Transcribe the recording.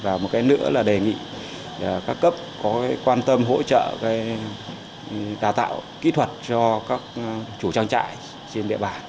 và một cái nữa là đề nghị các cấp có quan tâm hỗ trợ đào tạo kỹ thuật cho các chủ trang trại trên địa bàn